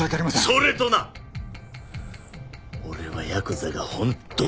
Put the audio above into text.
それとな俺はヤクザが本当に嫌いなんだよ！